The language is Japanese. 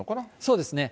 そうですね。